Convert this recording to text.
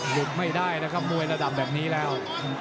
หยุดไม่ได้นะครับมวยระดับแบบนี้แล้ว